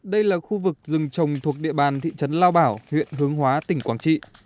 đây là khu vực rừng trồng thuộc địa bàn thị trấn lao bảo huyện hướng hóa tỉnh quảng trị